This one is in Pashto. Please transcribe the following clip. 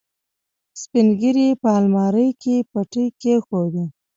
سپينږيري په المارۍ کې پټۍ کېښوده.